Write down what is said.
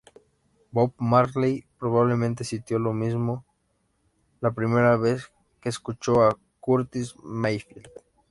Bob Marley probablemente sintió lo mismo la primera vez que escuchó a Curtis Mayfield.